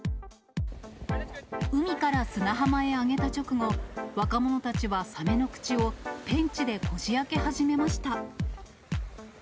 海から砂浜へ上げた直後、若者たちはサメの口をペンチでこじあけ始めました。